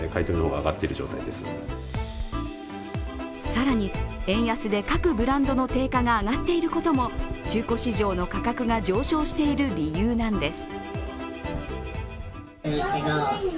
更に円安で各ブランドの定価が上がっていることも中古市場の価格が上昇している理由なんです。